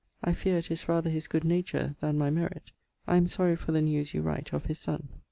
I fear it is rather his good nature then my merit. I am sorry for the news you write of his son.